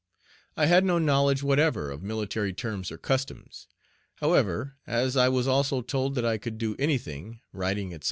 I had no knowledge whatever of military terms or customs. However, as I was also told that I could do any thing writing, etc.